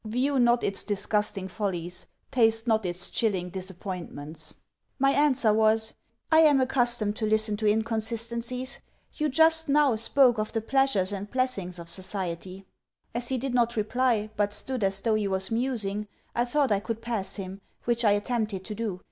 View not its disgusting follies! Taste not its chilling disappointments!' My answer was: 'I am accustomed to listen to inconsistencies. You just now, spoke of the pleasures and blessings of society.' As he did not reply, but stood as though he was musing, I thought I could pass him, which I attempted to do.